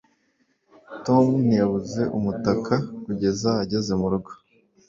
tom ntiyabuze umutaka kugeza ageze murugo